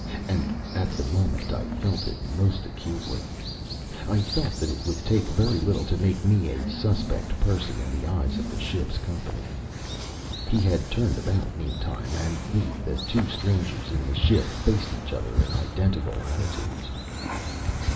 And at the moment I felt it most acutely. I felt that it would take very little to make me a suspect person in the eyes of the ship's company. He had turned about meantime; and we, the two strangers in the ship, faced each other in identical attitudes.